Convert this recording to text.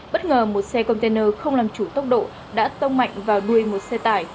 bất ngờ một xe container không làm chủ tốc độ đã tông mạnh vào đuôi một xe tải